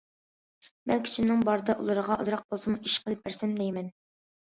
مەن كۈچۈمنىڭ بارىدا ئۇلارغا ئازراق بولسىمۇ ئىش قىلىپ بەرسەم دەيمەن.